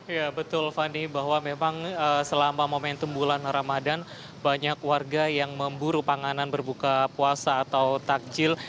ya betul fani bahwa memang selama momentum bulan ramadan banyak warga yang memburu panganan berbuka puasa atau takjil